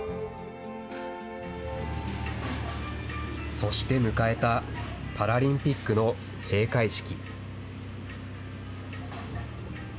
そして迎えたパラリンピックの閉会式。